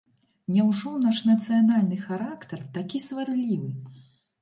Няўжо наш нацыянальны характар такі сварлівы?